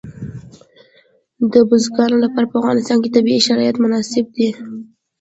د بزګانو لپاره په افغانستان کې طبیعي شرایط مناسب دي.